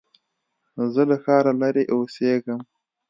زه له ښاره لرې اوسېږم